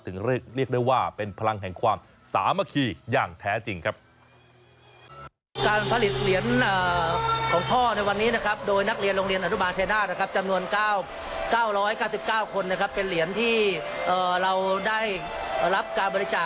เรียกได้ว่าเป็นพลังแห่งความสามัคคีอย่างแท้จริงครับ